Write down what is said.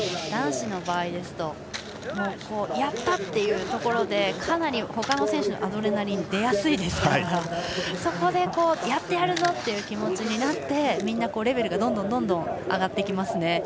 男子の場合ですとやったっていうところでほかの選手のアドレナリンが出やすいですからそこで、やってやるぞ！という気持ちになってみんなレベルがどんどん上がってきますね。